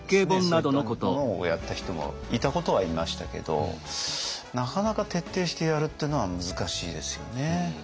そういったものをやった人もいたことはいましたけどなかなか徹底してやるっていうのは難しいですよね。